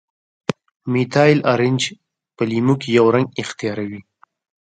میتایل ارنج په لیمو کې یو رنګ اختیاروي.